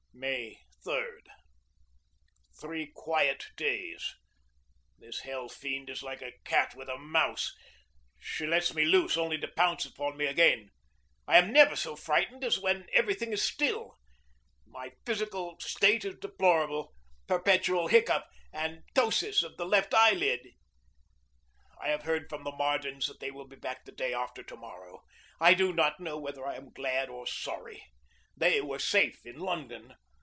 May 3. Three quiet days. This hell fiend is like a cat with a mouse. She lets me loose only to pounce upon me again. I am never so frightened as when every thing is still. My physical state is deplorable perpetual hiccough and ptosis of the left eyelid. I have heard from the Mardens that they will be back the day after to morrow. I do not know whether I am glad or sorry. They were safe in London.